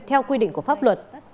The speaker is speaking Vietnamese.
theo quy định của công tác truy vết